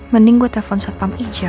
mending gue telepon satpam ija